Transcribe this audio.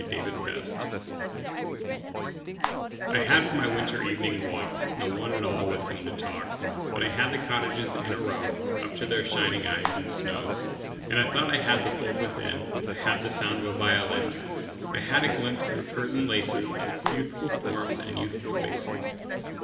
Good Hours I HAD for my winter evening walk No one at all with whom to talk, But I had the cottages in a row Up to their shining eyes in snow. And I thought I had the folk within: I had the sound of a violin; I had a glimpse through curtain laces Of youthful forms and youthful faces.